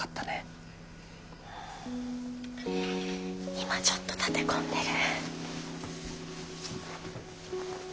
今ちょっと立て込んでる。